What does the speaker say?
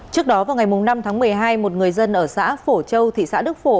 trước đó vào ngày năm tháng một mươi hai một người dân ở xã phổ châu thị xã đức phổ